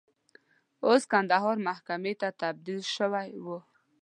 اوس کندهار محکمې ته تبدیل شوی و.